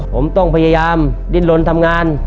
ผมต้องพยายามดิ้นลนทำงาน